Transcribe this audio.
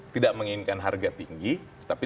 tidak menginginkan harga tinggi tapi